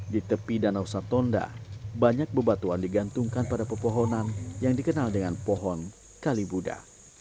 di tepi danau satonda banyak bebatuan digantungkan pada pepohonan yang dikenal dengan pohon kalibuda